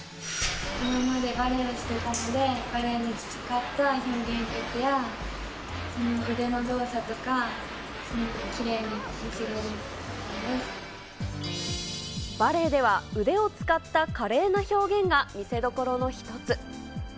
今までバレエをしてたので、バレエで培った表現力や、腕の動作とか、きれいに見せれるところバレエでは、腕を使った華麗な表現が見せどころの一つ。